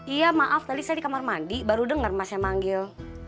iya maaf tadi saya di kamar mandi baru dengar mas yang manggil